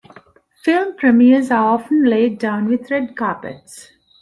Film premieres are often laid down with red carpets.